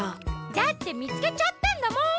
だってみつけちゃったんだもん。